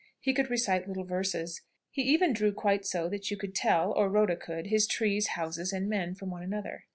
He could recite little verses. He even drew quite so that you could tell or Rhoda could his trees, houses, and men from one another.